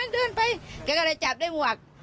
เดินไปเขาก็เลยจับได้หมวก